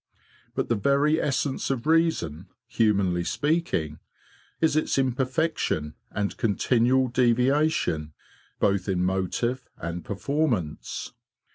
But the very essence of reason, humanly speaking, is its imperfection and continual deviation both in motive and performance.